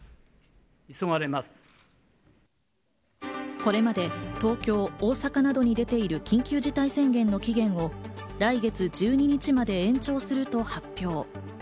これまで東京、大阪などに出ている緊急事態宣言の期限を来月１２日まで延長すると発表。